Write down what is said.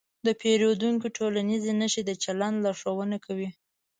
د پیریدونکي ټولنیزې نښې د چلند لارښوونه کوي.